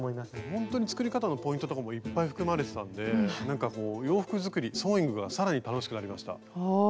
ほんとに作り方のポイントとかもいっぱい含まれてたんで洋服作りソーイングがさらに楽しくなりました。